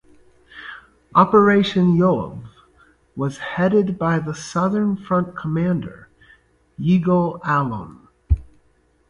Operation Yoav was headed by the Southern Front commander Yigal Allon.